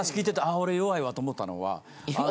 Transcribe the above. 俺弱いわと思ったのは。